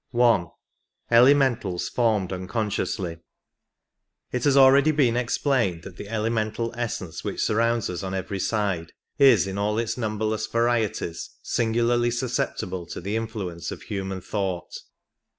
I. Elementals formed unconsciously. It has already been explained that the elemental essence which surrounds us on every side is in all its numberless varieties singularly sus ceptible to the influence of human thought.